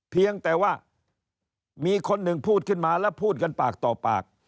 เพียงแต่ว่ามีคนหนึ่งพูดขึ้นมาแล้วพูดกันปากต่อปาก